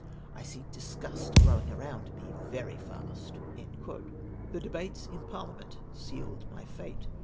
I see disgust growing around me very fast." The debates in parliament sealed my fate.